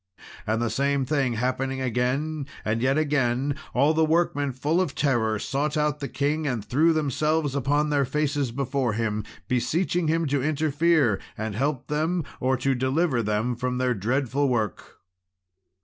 And the same thing happening again, and yet again, all the workmen, full of terror, sought out the king, and threw themselves upon their faces before him, beseeching him to interfere and help them or to deliver them from their dreadful work.